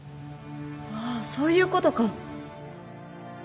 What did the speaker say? ああそういうことか。